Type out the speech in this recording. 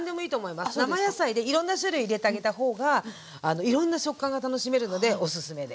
生野菜でいろんな種類入れてあげた方がいろんな食感が楽しめるのでおすすめです。